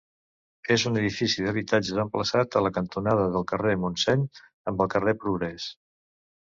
És un edifici d'habitatges emplaçat a la cantonada del carrer Montseny amb el carrer Progrés.